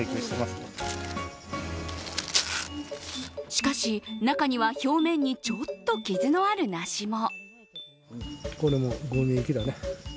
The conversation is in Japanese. しかし、中には表面にちょっと傷のある梨も。